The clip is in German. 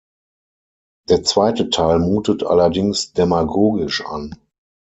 Der zweite Teil mutet allerdings demagogisch an.